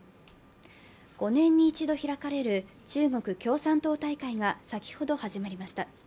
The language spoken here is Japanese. ５年に一度開かれる中国共産党大会が先ほど始まりました。